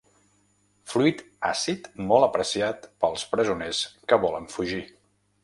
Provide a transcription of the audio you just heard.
Fruit àcid molt apreciat pels presoners que volen fugir.